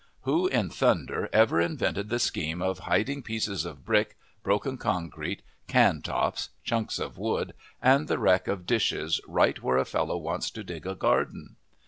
Who in thunder ever invented the scheme of hiding pieces of brick, broken concrete, can tops, chunks of wood and the wreck of dishes right where a fellow wants to dig a garden?